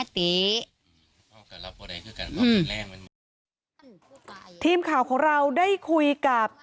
ทีมข่าวของเราได้คุยกับ